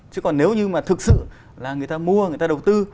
chứ còn nếu như mà thực sự là người ta mua người ta đầu tư